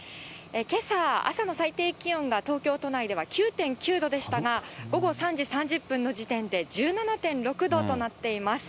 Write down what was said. けさ、朝の最低気温が東京都内では９．９度でしたが、午後３時３０分の時点で１７．６度となっています。